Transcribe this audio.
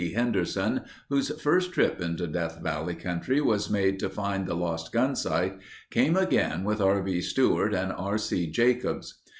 Henderson, whose first trip into Death Valley country was made to find the Lost Gunsight, came again with R. B. Stewart and R. C. Jacobs.